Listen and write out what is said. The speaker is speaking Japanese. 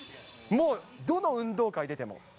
もう、どの運動会出ても。